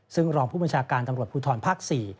ซึ่งรองผู้บัญชาการตำรวจภูทรภาค๔